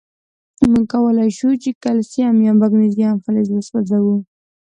مونږ کولای شو چې کلسیم یا مګنیزیم فلز وسوځوو.